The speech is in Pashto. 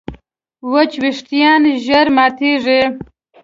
وچ وېښتيان ژر ماتېږي.